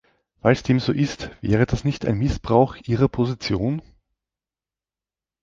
Falls dem so ist, wäre das nicht ein Missbrauch ihrer Position?